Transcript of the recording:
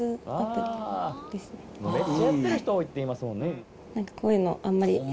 めっちゃやってる人多いって言いますもんね。